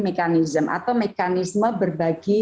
mekanisme atau mekanisme berbagi